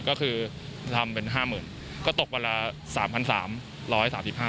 ก็คือทำเป็น๕๐๐๐๐บาทก็ตกวันละ๓๓๐๐บาท